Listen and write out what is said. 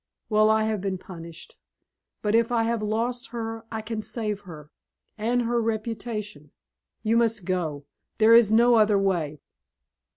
Well, I have been punished; but if I have lost her I can save her and her reputation. You must go. There is no other way."